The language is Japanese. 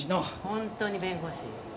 本当に弁護士？